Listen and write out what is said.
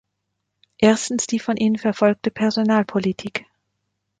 Erstens die von ihnen verfolgte Personalpolitik.